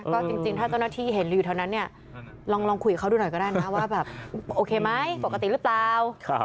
ก็จริงถ้าเจ้าหน้าที่เห็นหรืออยู่เท่านั้นเนี่ยลองคุยกับเขาดูหน่อยก็ได้นะว่าแบบโอเคไหมปกติหรือเปล่า